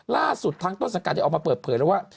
ล่าสุดทั้งต้นสังการณ์เอามาเปิดเผลอว่า